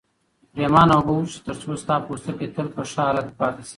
پرېمانه اوبه وڅښه ترڅو ستا پوستکی تل په ښه حالت کې پاتې شي.